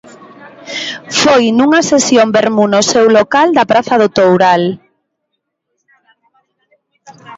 Foi nunha sesión vermú no seu local da Praza do Toural.